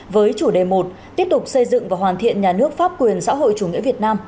với chủ đề một tiếp tục xây dựng và hoàn thiện nhà nước pháp quyền xã hội chủ nghĩa việt nam